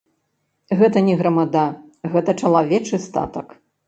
Гэта не грамада, гэта чалавечы статак.